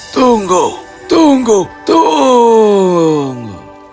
tunggu tunggu tunggu